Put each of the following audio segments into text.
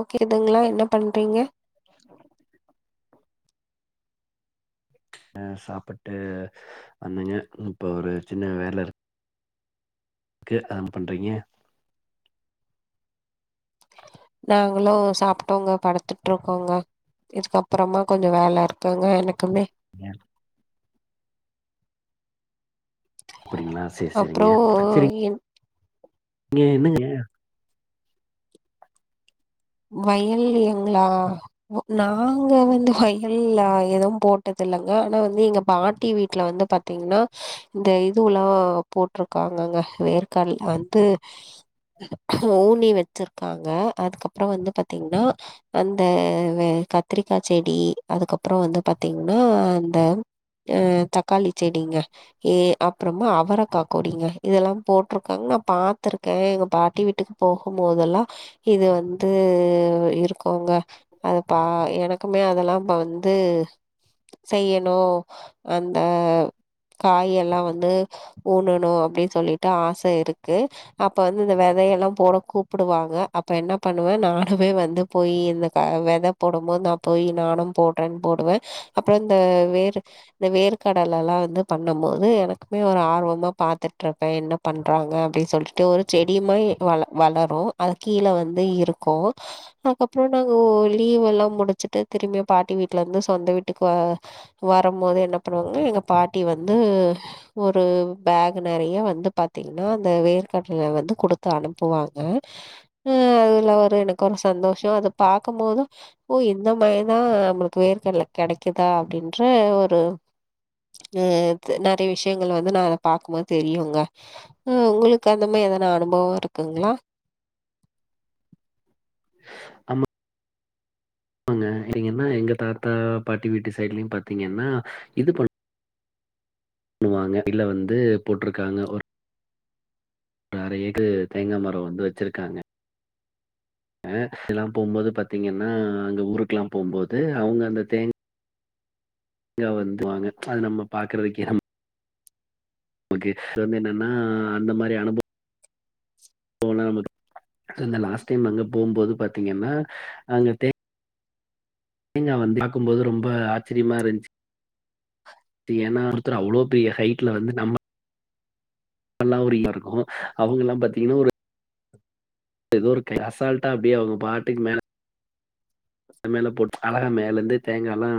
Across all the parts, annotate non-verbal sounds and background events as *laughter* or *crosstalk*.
Okay இதுங்ளா என்ன பண்றீங்க அ சாப்புட்டு வந்தங்க ம் இப்போ ஒரு சின்ன வேலருக் கேக்காம பண்றீங்க நாங்களு சாப்ட்டோங்க படுத்துட்ருக்கோங்க இதுக்கப்றமா கொஞ்சோ வேலருக்குங்க எனக்குமே ய அப்படிங்ளா சரி அப்றோ சரிங்க சரி என் இங்க என்னங்க வயல்யங்களா ஓ நாங்க வந்து வயல்ல எதுவு போட்டதுல்லங்க ஆனா வந்து எங்க பாட்டி வீட்டுல வந்து பா பாத்தீங்னா இந்த இதுவெல்லா போட்ருக்காங்க வேர்காது வந்து ஊனி வச்சிருக்காங்க அதுக்கப்புறோ வந்து பாத்தீங்னா அந்த வ கத்திரிக்கா செடி அதுக்கப்புறோ வந்து பாத்தீங்னா அந்த அ தக்காளி செடிங்க ஏ அப்றமா அவரக்காக்கொடிங்க இதெல்லா போட்ருக்கங் நா பாத்துருக்க எங்க பாட்டி வீட்டுக் போகும்போதெல்லா இது வந் த்து இருக்கோங்க அத பா எனக்குமே அதெல்லா இப்ப வந்து செய்யணு அந்த காயெல்லா வந்து ஊனணு அப்டி சொல்லிட்டு ஆச இருக்கு அப்ப வந்து இந்த வெதையெல்லா போட கூப்டுவாங்க அப்ப என்ன பண்ணுவே நானுமே வந்து போய் இந்த க வெத போடும்போது நா போய் நானு போட்றேன் போடுவே அப்றோ இந்த வேர் இந்த வேர்க்கடல்லா வந்து பண்ணம்போது எனக்குமே ஒரு ஆர்வமா பாத்துட்ருப்பே என்ன பண்றாங்க அப்டின் சொல்ட்டு ஒரு செடிமாரி வள வளரு அது கீழ வந்து இருக்கு அதுக்கப்றோ நாங்க ஓ லீவெல்லா முடிச்சிட்டு திரும்பி பாட்டி வீட்லருந்து சொந்த வீட்டுக்கு வரம்போது என்ன பண்ணுவாங்கன்னா எங்க பாட்டி வந்து ஒரு பேகு நெறையா வந்து பாத்தீங்ன்னா அந்த வேர்க்கடல வந்து குடுத்து அனுப்புவாங்க அ அதுல்ல ஒரு எனக்கு ஒரு சந்தோஷோ அத பாக்குபோது ஓ இந்த மாரிதா நம்மளுக்கு வேர்கடல கெடைக்குதா அப்டின்ற ஒரு அ இது நெறைய விஷயங்கள் வந்து நா அத பாக்கும்போது தெரியுங்க ம் உங்களுக்கு அந்த மாரி எதனா அனுபவோ இருக்குங்ளா ஆமா ங்க இங்கனா எங்க தாத்தா பாட்டி வீட்டு சைட்லயு பாத்தீங்கன்னா இது பண் ணுவாங்க இதல வந்து போட்ருக்காங்க ஒரு அரயேக்கு தேங்கா மரோ வந்து வெச்சிருக்காங்க அ எல்லா போம்போது பாத்தீங்கன்னா அங்க ஊருக்கெல்லா போம்போது அவுங்க அந்த தேங் கா வந்து *inaudible* அது நம்ம பாக்றதுக்கே ந மக்கு இது வந்து என்னன்னா அந்த மாரி அனுப போலா நமக்கு இந்த லாஸ்ட் டைம் அங்க போம்போது பாத்தீங்கன்னா அங்க தேங்கா வந்து பாக்கும்போது ரொம்ப ஆச்சரியமா இருந்ச்சி ஏனா ஒருத்தரு அவ்ளோ பெரிய ஹைட்ல வந்து நம்ம *unintelligible* இருக்கு அவுங்க எல்லா பாத்தீங்கன்னா ஒரு எதோ ஒருக்கா அசால்டா அப்டியே அவுங்க பாட்டுக்கு மேல மேல போட்டு அழகா மேல இருந்து தேங்கால்லா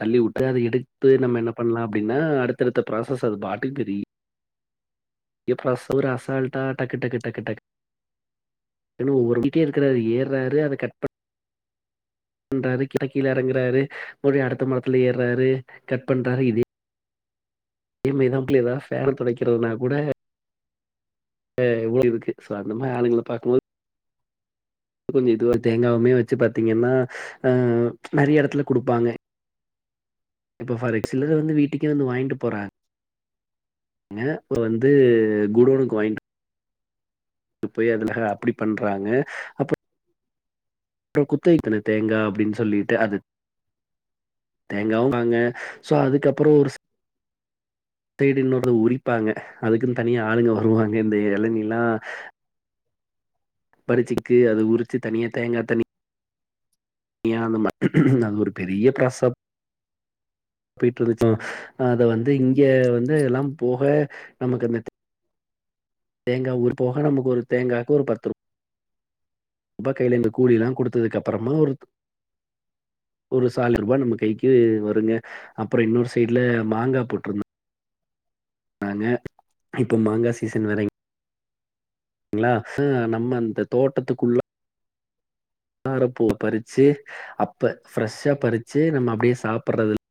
தள்ளி உட்டு அத எடுத்து நம்ம என்ன பண்ணலா அப்டின்னா அடுத்தடுத்த ப்ராசஸ் அது பாட்டுக்கு பெ ரிய பிரசஸ் ஒரு அசால்ட்டா டக்கு டக்கு டக்கு டக்கு என்னமோ உருவீட்டே இருக்கிறாரு ஏர்றாரு அத கட் பண் றாரு கீழ கீழ எறங்குறாரு மறுபடி அடுத்த மரத்துல ஏர்றாரு கட் பண்றாரு இதே *unintelligible* எ ரூம் குள்ள எதா ஃபேன்னா தொடைக்கிறதுனா கூட *unintelligible* இருக்கு சோ அந்த மாரி ஆளுங்கள பாக்கும்போது கொஞ்சோ இதுவா தேங்காவ்மே வெச்சு பாத்தீங்கன்னா அ நெறைய எடத்துல குடுப்பாங்க இப்ப ஃபார் எக் சிலரு வந்து வீட்டுக்கே வந்து வாய்ண்டு போற எ இப்ப வந்து குடோனுக்கு வாய்ண் டு போய் அதுல ஹ அப்டி பண்றாங்க அப்ப அப்றோ குத்தகை இத்தன தேங்கா அப்டின் சொல்லிட்டு அது தேங்காவுனாங்க சோ அதுக்கப்பறோ ஒரு *unintelligible* உரிப்பாங்க அதுக்குன் தனியா ஆளுங்க வருவாங்க இந்த எளனில்லா பரிச்சுக்கு அத உரிச்சு தனியா தேங்கா தண்ணி எ அந்த மார் அது ஒரு பெரிய ப்ராசப் போயிட்ருந்துச்சி அத வந்து இங்கே வந்து எல்லா போக நமக்கு அந்த தேங்கா ஊர் போக நமக்கு ஒரு தேங்காக்கு ஒரு பத்து ரூ பா கைல இந்த கூலி எல்ல குடுத்ததுக்கப்றமா ஒரு ஒரு சாலிருபா நம்ம கைக்கு வருங்க அப்றோ இன்னொரு சைட்ல மாங்கா போட்ருந்தோ நாங்க இப்போ மாங்கா சீசன் வேரய் ன்ளா ஃபு நம் அந்த தோட்டத்துக்குள்ள ஆரப்பூ பறிச்சி அப்ப ஃப்ரெஷ்ஷா பறிச்சி நம்ம அப்டியே சாப்பர்றதில்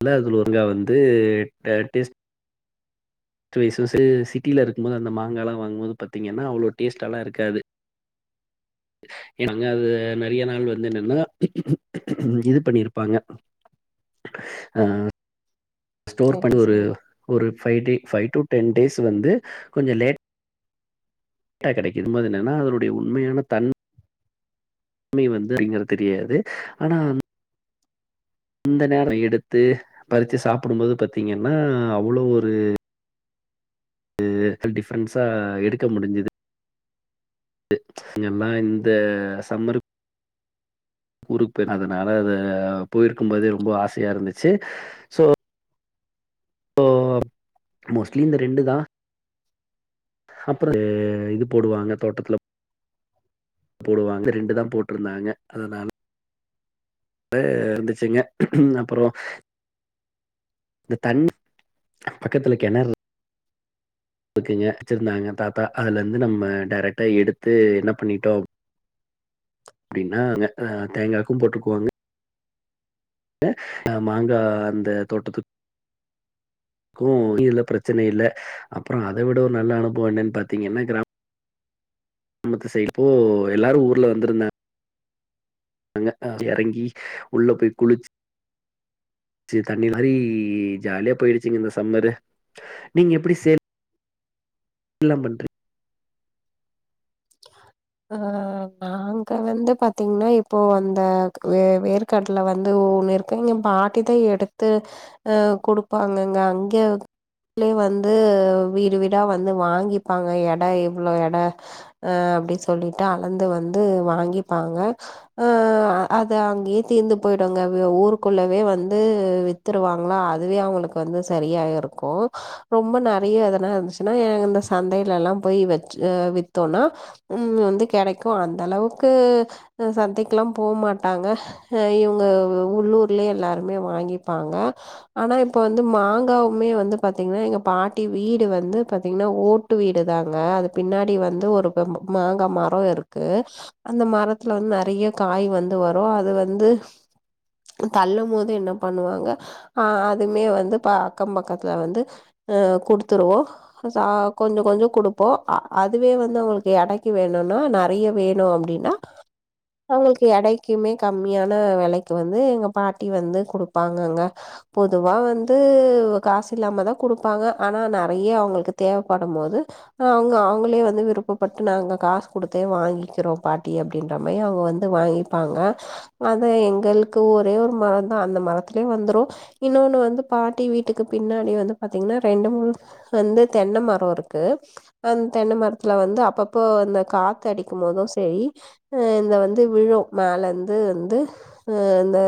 எல்ல அதில ஒருங்கா வந்து ட டேஸ் ட்வைசுஸு சிட்டில இருக்குமோது அந்த மாங்கால்லா வாங்குமோது பாத்தீங்கன்னா அவ்ளோ டேஸ்ட்டாலா இருக்காது ஏனாங்க அது நெறையா நாள் வந்துனன்னா இது பண்ணிருப்பாங்க ஆ ஸ்டோர் பண்ணி சரி ஒரு சரி. ஒரு ஃபை டே பை‌டூ டென் டேஸ்ஸுலந்து கொஞ்சோ லேட் ட்டா கடைக்கிது உம்போது என்னன்னா அதனுடைய உண்மையான தன் மே வந்து அப்டிங்கற தெரியாது ஆனா அன் இந்த நேரோ எடுத்து பறிச்சு சாப்புடும்போது பாத்தீங்கன்னா அவ்ளோ ஒரு ஏஎ ஹல் டிஃப்ரென்ஸா எடுக்க முடிஞ்சுது எ எம்மா இந்த சம்மரு ஊருக்கு போய் அதுனால அது போய்ர்க்கும்போதே ரொம்ப ஆசையா இருந்துச்சு சோ போ அப் மோஸ்ட்லி இந்த ரெண்டு தா அப்றோ எ இது போடுவாங்க தோட்டத்துலப் போடுவாங்க ரெண்டு தா போட்ருந்தாங்க அதுனால் ப இந்துச்சுங்க அப்பறோ இந்த தண் பக்கத்துல கெணற் புக்குங்க ச்சிருந்தாங்க தாத்தா அதுல இந்து நம்ம டைரெக்ட்டா எடுத்து என்ன பண்ணிட்டோம் ப்டின்னா அங்க ஆ தேங்காக்கும் போட்டுக்கோங்க அ ஆ மாங்கா அந்த தோட்டத்துக் கு யில்ல ப்ரச்சன இல்ல அப்றோ அத விட ஒரு நல்ல அனுபவோ என்னன் பாத்தீங்கன்னா க்ராம் உம்மத்து சைட் போ எல்லாரு ஊர்ல வந்துருந்தா அங்க ஆ யறங்கி உள்ள போய் குளிச் சே தண்ணி மாறி ஜாலியா போய்டுச்சுங்க இந்த சம்மரு நீங்க எப்படி சேல் ல்லாம் பன்றி அ நாங்க வந்து பாத்தீங்னா இப்போ அந்த கக்க வே வேரு கட்ல வந்து ஓன் இர்க்கிங்க பாட்டி தா எடுத்து அவ் குடுப்பாங்கங்க அங்கெவ் லே வந்து வீடு வீடா வந்து வாங்கிப்பாங்க எட எவ்ளோ எட அ அப்டி சொல்லிட்டா அளந்து வந்து வாங்கிப்பாங்க அ அ அது அங்க்யே தீந்து போய்டுங்க வெ ஊருக்குள்ளவே வந்து வெத் த்ருவாங்ளா அதுவே அவங்ளுக்கு வந்து சரியாய் இருக்கு ரொம்ப நிறைய எதனா இருந்துச்சுன்னா எ அந்த சந்தைய்லல்லாம் போய் வச் அ வித்தோனா உம் வந்து கிடைக்கு அந்த அளவுக்கு உ சந்தைக்லாம் போமாட்டாங்க ஹ இவ்ங்க வு உள்ளூர்லே எல்லாருமே வாங்கிப்பாங்க ஆனா இப்ப வந்து மாங்காவுமே வந்து பாத்தீங்னா எங்க பாட்டி வீடு வந்து பாத்தீங்னா ஓட் ட்டு வீடுதாங்க அது பின்னாடி வந்து ஒரு பெம் மாங்கா மரோ இருக்கு அந்த மரத்துல வந் நறைய காய் வந்து வரு அது வந்து துன் தள்ளும் போது என்ன பண்ணுவாங்க ஆ அதுமே வந்து பா அக்கம் பக்கத்துல வந்து ஹ குடுத்துருவோ சா கொஞ்சோ கொஞ்சோ குடுப்போ அதுவே வந்து அவுங்களுக் இடைக்கு வேணுனா நெறைய வேணு அப்டின்னா அவுங்களுக்கு எடைக்குமே கம்மியான விலைக்கு வந்து எங்க பாட்டி வந்து குடுப்பாங்கங்க பொதுவா வந்து காசு இல்லாம தா குடுப்பாங்க ஆனா நெறைய அவுங்களுக்கு தேவப்பட போது அ அவுங்க அவுங்களே வந்து விருப்பப் பட்டு நாங்க காசு குடுத்தே வாங்கிக்கிறோ பாட்டி அப்டின்ற மெரி அவுங்க வந்து வாங்கிப்பாங்க அது எங்களுக்கு ஒரே ஒரு மரம் தா அந்த மரத்திலயே வந்துரு இன்னொன்னு வந்து பாட்டி வீட்டுக்கு பின்னாடி வந்து பாத்தீங்கன்னா ரெண்டு மூணு சொந்த தென்ன மரம் இருக்கு அந்த தென்ன மரத்துல வந்து அப் அப்போ அந்த காத்து அடிக்கும் போதும் சேரி ம் இந்த வந்து விழும் மேலந்து வந்து அ இந்த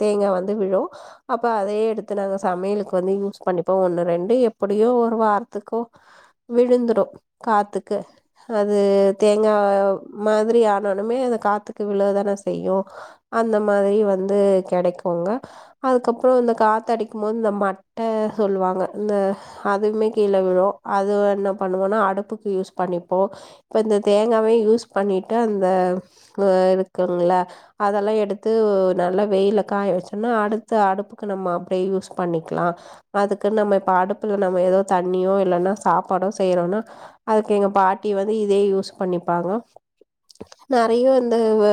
தேங்கா வந்து விழும் அப்ப அதயே எடுத்து நாங்க சமையலுக்கு வந்து யூஸ் பண்ணிப்போ ஒண்ணு ரெண்டு எப்டியோ ஒரு வாரத்துக்கோ விழுந்துரு காத்துக்கு அது தேங்கா மாதிரி ஆனவுனுமே அந்த காத்துக்கு விழ தான ஐய்யோ அந்த மாதிரி வந்து கிடைக்குங்க அதுக்கப்பற இந்த காத்து அடிக்கும்போது இந்த மட்ட சொல்லுவாங்க இந்த அதுமே கீழே விழும் அதுவு என்ன பண்ணுவோன்னா அடுப்புக்கு யூஸ் பண்ணிப் ப்போ இப்போ இந்த தேங்காவே யூஸ் பண்ணிட்டு அந்த அ இருக்குங்குள்ள அதெல்லா எடுத்து நல்லா வெயில்ல காய வச்சோம்னா அடுத்த அடுப்புக்கு நம்ம அப்டியே யூஸ் பண்ணிக்கலா அதுக்கு நம்ம இப்ப அடுப்புக்கு நம்ம ஏதோ தண்ணியோ இல்லன்னா சாப்பாடோ செய்யறோன்னா அதுக்கு எங்க பாட்டி வந்து இதே யூஸ் பண்ணிப்பாங்க நிறைய இந்த வ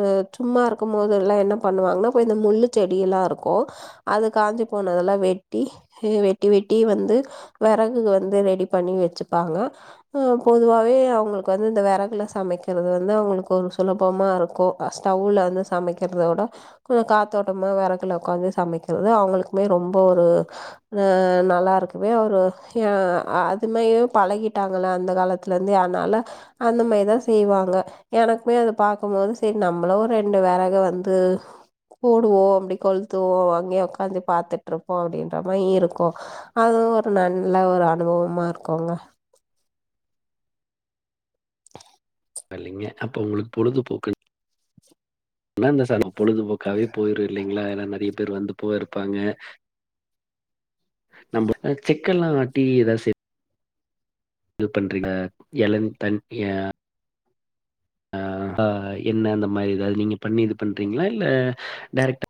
அ சும்மா இருக்கும்போது எல்லா என்ன பண்ணுவாங்கன்னா போய் இந்த முள்ளு செடி எல்லா இருக்கும் அது காஞ்சி போனதெல்லா வெட்டி வெட்டி வெட்டி வந்து விறகுக்கு வந்து ரெடி பண்ணி வச்சுப்பாங்க அ பொதுவாவே அவங்களுக்கு வந்து இந்த விறகுல சமைக்கிறது வந்து அவங்களுக்கு ஒரு சுலபமா இருக்கும் ஸ்டவ்வுல வந்து சமைக்கிறத விட குவா காத்தோட்டமா விறகுல உக்காந்து சமைக்கிறது அவங்களுக்குமே ரொம்ப ஒரு அ நல்லா இருக்குமே ஒரு அ அதுமையே பழகிட்டாங்களா அந்த காலத் ல இருந்து அதனால அந்த மாறிதா செய்வாங்க எனக்குமே அத பாக்கும் போது சரி நம்மளும் ஒரு ரெண்டு விறக வந்து போடுவோம் அப்டி கொளுத்துவோம் அங்கயே உக்காந்து பாத்துட்டு இருப்போ அப்டின்ற மாறிதா இருக்கும் அதுவு ஒரு நல்ல ஒரு அனுபவமா இருக்குங்க இப்ப இல்லைங்க அப்ப உங்களுக்கு பொழுதுபோக்குனா இந்த சனம் பொழுதுபோக்கவே போயிரு இல்லங்களா ஏன்னா நிறைய பேர் வந்து போயி இருப்பாங்க நம்ம செக்கல்லா ஆட்டி ஏதாவ செ இது பண்றீல எலநீ தண்ணிய ஆஹ் என்ன அந்த மாரி ஏதாவது நீங்க பண்ணி இது பண்றீங்களா இல்ல டைரக்டா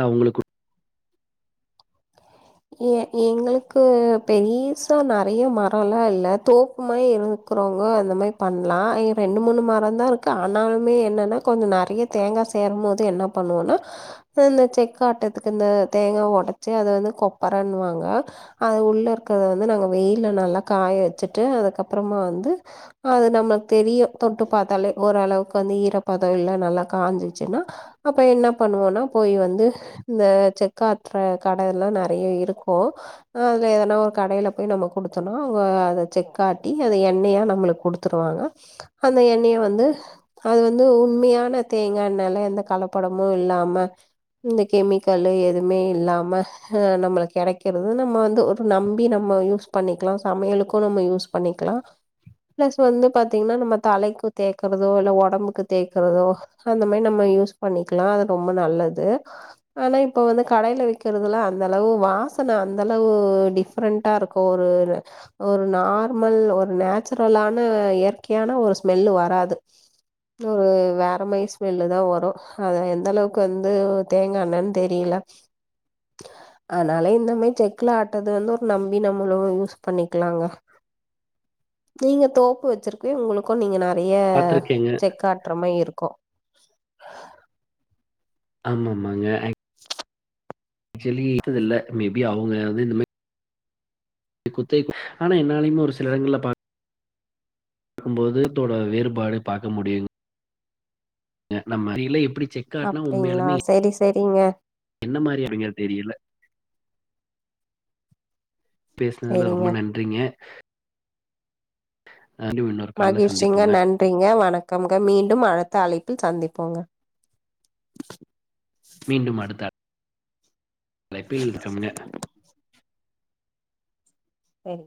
ஆஹ் உங்களுக்கு ஏ எங்களுக்கு பெரீசா நிறைய மரம் எல்லா இல்ல தோப்புமாரி இருந்து இருக்கறவங்க அந்த மாதிரி பண்ணலா ரெண்டு மூணு மரம் தா இருக்கு ஆனாலுமே என்னன்னா கொஞ்ச நிறைய தேங்காய் சேரும் போது என்ன பண்ணுவோனா இந்தந்த செக்க ஆட்டத்துக்கு இந்த தேங்காய் உடைச்சு அது வந்து கொப்பரன்னுவாங்க அது உள்ள இருக்கறத வந்து நாங்க வெய்யில நல்லா காய வச்சுட்டு அதுக்கப்பறமா வந்து அது நம்மள்க் தெரியு தொட்டு பாத்தாலே ஓரளவுக்கு வந்து ஈரப்பாத இல்ல நல்லா காஞ்சிச்சுன்னா அப்ப என்ன பண்ணுவோனா போய் வந்து இந்த செக்காற்ற கடை எல்லா நெ றைய இருக்கு அதுல எதனா ஒரு கடையில போய் நம்ம குடுத்துனா அவங்க அத செக்காட்டி அத எண்ணெயா நம்மளுக்கு குடு த்துருவாங்க அந்த எண்ணெய வந்து அது வந்து உண்மையான தேங்கா எண்ணேல்ல எந்த கலப்படமு இல்லாம இந்த கெமிக்கல்லு எதுமே இல்லாம அ நம்மளுக் கெடைக்கிறது நம்ம வந்து ஒரு நம்பி நம்ம யூஸ் பண்ணிக்கலா சமையலுக்கு நம்ம யூஸ் பண்ணிக்கலா ப்ளஸ் வந்து பாத்தீங்கன்னா நம்ம தலைக்கு தேக்கறதோ இல்ல ஒடம்புக்கு தேக்கறதோ அந்த மாரி நம்ம யூஸ் பண்ணிக்கலா அது ரொம்ப நல்லது ஆனா இப்ப வந்து கடையில விக்கிறதுல்லா அந்தளவு வாசன அந்தளவு டிஃப்ரெண்ட்டா இருக்கு ஒரு ஒரு நார்மல் ஒரு நேச்சுரலான இயற்கையான ஒரு ஸ்மெல்லு வராது ஒரு வேறமாரி ஸ்மெல்லு தா வரு அதுல எந்தளவுக்கு வந்து தேங்காண்ணென் தெரியில அதனால இந்த மாரி செக்ல ஆட்ற்றது வந்து ஒரு நம்பி நம்மளு யூஸ் பண்ணிக்கலாங்க நீங்க தோப்பு வெச்சிருக்கியு உங்களுக்கு நீங்க நறைய பாத்துருக்கேங்க செக்காட்ற மாரி இருக் ஆமாமாங்க ஜெல்லி ட்றது இல்ல மேபி அவுங்க வந்து இந்த மா குத்தகைக்கு ஆனா என்னாலைமே ஒரு சில எடங்கள்ல பாக் பாக்கும் போது தோட வேறுபாடு பாக்க முடியு நம்ம இல எப்படி செக் ஆட்னா அப்டிங்ளா உண்மையாலுமே செரி செரிங்க என்ன மாரி அப்டிங்கறத் தெரியில பேசுனதுல செரிங்க ரொம்ப நன்றிங்க அ *unintelligible* இன் மகிழ்ச்சிங்க நன் றிங்க வணக்கமுங்க மீண்டும் அடுத்த அழைப்பில் சந்திப்போங்க மீண்டும் அடுத்த அழைப்பில் *unintelligible* சேரிங்